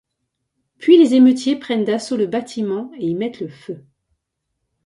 Puis les émeutiers prennent d'assaut le bâtiment et y mettent le feu.